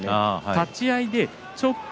立ち合いでちょっと